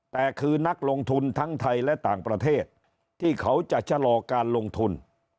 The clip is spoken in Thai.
แต่คือนักลงทุนทั้งไทยและต่างประเทศที่เขาจะชะลอการลงทุน